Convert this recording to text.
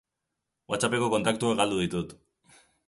Whatsapp-eko kontaktuak galdu ditut.